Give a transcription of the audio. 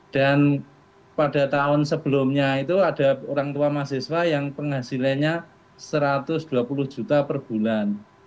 dan pada tahun sebelumnya itu ada orang tua mahasiswa yang penghasilannya satu ratus dua puluh juta per bulan